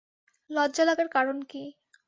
লজ্জা লাগার কারণ কি?